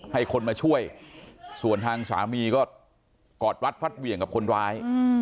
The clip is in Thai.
ให้คนมาช่วยส่วนทางสามีก็กอดรัดฟัดเหวี่ยงกับคนร้าย